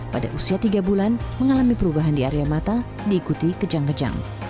pada usia tiga bulan mengalami perubahan di area mata diikuti kejang kejang